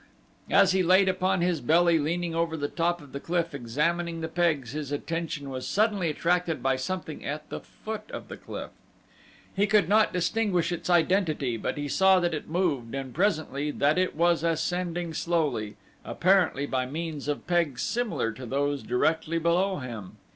As he lay upon his belly leaning over the top of the cliff examining the pegs his attention was suddenly attracted by something at the foot of the cliff. He could not distinguish its identity, but he saw that it moved and presently that it was ascending slowly, apparently by means of pegs similar to those directly below him.